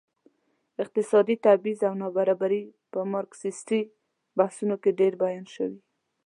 اقتصادي تبعيض او نابرابري په مارکسيستي بحثونو کې ډېر بیان شوي.